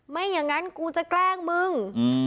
ไม่อย่างนั้นกูจะแกล้งมึง